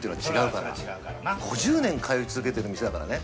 ５０年通い続けてる店だからね。